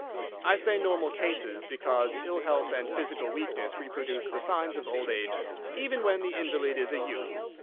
I say normal cases, because ill health and physical weakness reproduce the signs of old age, even when the invalid is a youth.